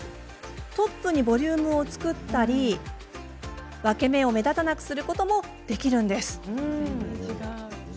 トップにボリュームを作ったり分け目を目立たなくすることもできるんです。